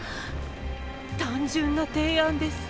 単純な提案です。